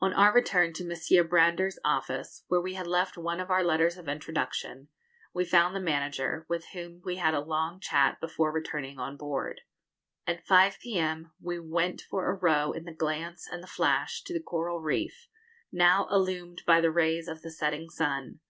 On our return to Messrs. Brander's office, where we had left one of our letters of introduction, we found the manager, with whom we had a long chat before returning on board. [Illustration: Chætodon Tricolor.] At 5 p.m. we went for a row in the 'Glance' and the 'Flash' to the coral reef, now illumined by the rays of the setting sun.